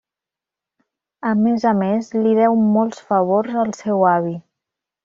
A més a més, li deu molts favors al seu avi.